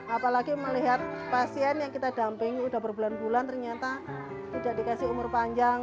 apalagi melihat pasien yang kita dampingi sudah berbulan bulan ternyata tidak dikasih umur panjang